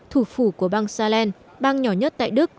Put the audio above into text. thủ phủ của bang saled bang nhỏ nhất tại đức